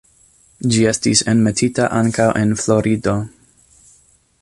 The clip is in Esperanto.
Ĝi estis enmetita ankaŭ en Florido.